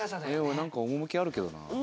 何か趣あるけどな。